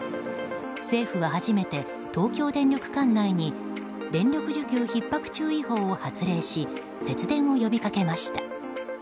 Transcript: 政府は初めて東京電力管内に電力需給ひっ迫注意報を発令し節電を呼びかけました。